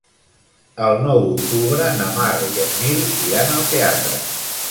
El nou d'octubre na Mar i en Nil iran al teatre.